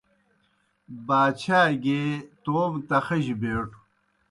باچھا گیے توموْ تخِجیْ بیٹوْ۔